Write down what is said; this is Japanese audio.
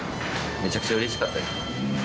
めちゃくちゃうれしかったです。